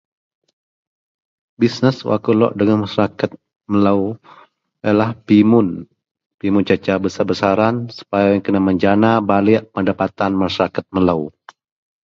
bisness wak akou lok dagen Masyarakat melou ienlah pimun, pimun sek secara besar-besaran supaya kena menjana baliek pendapatan Masyarakat melou